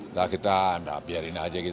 udah kita biarin aja gitu